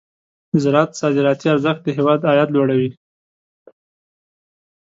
د زراعت صادراتي ارزښت د هېواد عاید لوړوي.